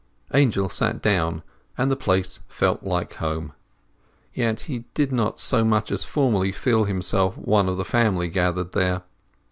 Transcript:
Angel sat down, and the place felt like home; yet he did not so much as formerly feel himself one of the family gathered there.